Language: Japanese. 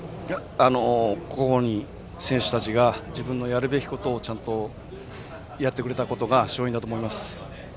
選手たちが自分のやるべきことをちゃんとやってくれたことが勝因だと思います。